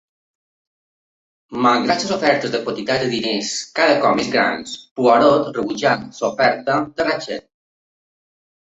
Malgrat les ofertes de quantitats de diners cada cop més grans, Poirot rebutja l'oferta de Ratchett.